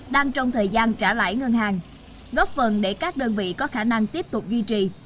đang trong thời gian trả lãi ngân hàng góp phần để các đơn vị có khả năng tiếp tục duy trì